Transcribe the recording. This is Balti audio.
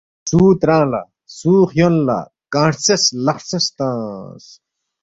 سُو ترانگ لہ، سُو خیون لہ کنگ ہرژیس لق ہرژیس تنگس